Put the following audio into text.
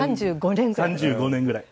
３５年くらい。